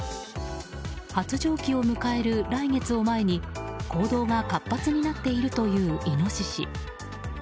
発情期を迎える来月を前に行動が活発になっているというイノシシ。